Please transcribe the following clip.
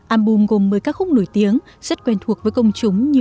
album gồm một mươi ca khúc nổi tiếng rất quen thuộc với công chúng như